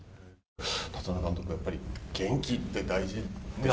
立浪監督、やっぱり元気って大事ですか。